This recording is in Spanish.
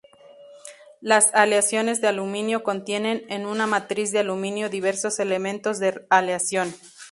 Las aleaciones de aluminio contienen, en una matriz de aluminio diversos elementos de aleación.